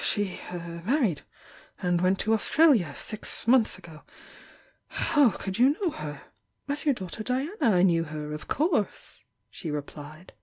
She married and went to Australia six months ago. How could you know her?" "As your daughter Diana, I knew her, of course!" she replied.